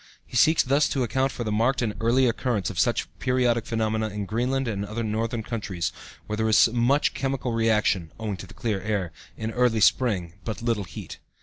He seeks thus to account for the marked and early occurrence of such periodic phenomena in Greenland and other northern countries where there is much chemical action (owing to the clear air) in early spring, but little heat.